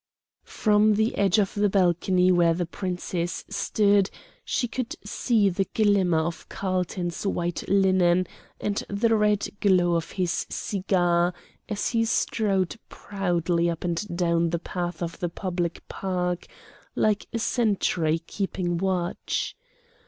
From the edge of the balcony where the Princess stood she could see the glimmer of Carlton's white linen and the red glow of his cigar as he strode proudly up and down the path of the public park, like a sentry keeping watch.